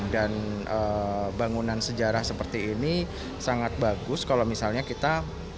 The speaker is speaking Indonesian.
dan bangunan sejarah seperti ini sangat bagus kalau misalnya kita